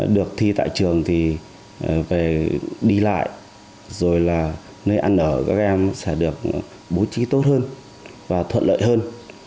được thi tại trường thì về đi lại rồi là nơi ăn ở các em sẽ được bố trí tốt hơn và thuận lợi hơn